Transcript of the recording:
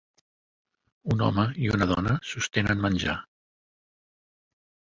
Un home i una dona sostenen menjar.